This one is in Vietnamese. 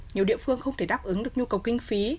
nhiều địa phương không thể đáp ứng được nhu cầu kinh phí